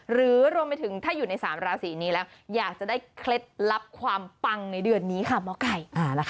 หรือรวมไปถึงถ้าอยู่ใน๓ราศีนี้แล้วอยากจะได้เคล็ดลับความปังในเดือนนี้ค่ะหมอไก่